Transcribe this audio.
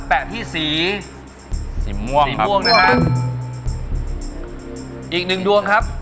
แปะที่สีสีม่วงสีม่วงด้วยฮะอีกหนึ่งดวงครับ